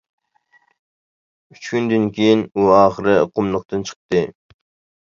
ئۈچ كۈندىن كېيىن ئۇ ئاخىر قۇملۇقتىن چىقتى.